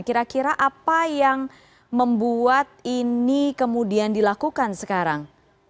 kira kira apa yang membuat ini kemudian dilakukan sekarang